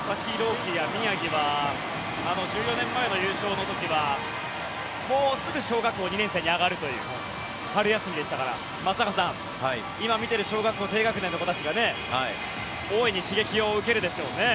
希や宮城は１４年前の優勝の時はもうすぐ小学校２年生に上がるという春休みでしたから松坂さん、今、見てる小学校低学年の子たちがそうですね。